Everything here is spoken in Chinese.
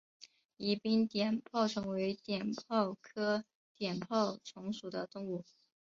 宜宾碘泡虫为碘泡科碘泡虫属的动物。